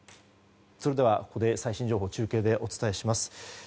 それでは、ここで最新情報中継でお伝えします。